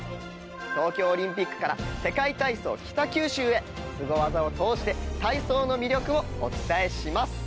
東京オリンピックから世界体操北九州へスゴ技を通して体操の魅力をお伝えします。